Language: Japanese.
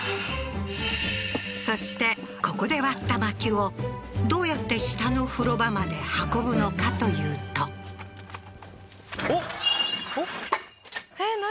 そしてここで割った薪をどうやって下の風呂場まで運ぶのかというとおっおっえっ何？